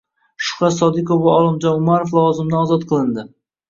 Shuhrat Sodiqov va Olimjon Umarov lavozimidan ozod qilin ding